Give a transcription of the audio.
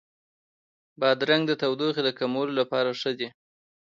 بادرنګ د تودوخې د کمولو لپاره ښه دی.